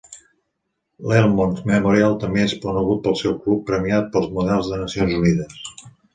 L'Elmont Memorial també és conegut pel seu club premiat pel Models de Nacions Unides.